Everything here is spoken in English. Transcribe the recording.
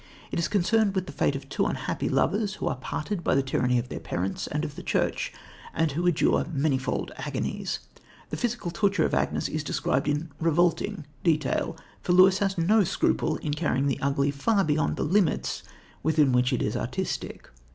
It is concerned with the fate of two unhappy lovers, who are parted by the tyranny of their parents and of the church, and who endure manifold agonies. The physical torture of Agnes is described in revolting detail, for Lewis has no scruple in carrying the ugly far beyond the limits within which it is artistic.